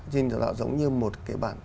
chương trình giống như một cái bản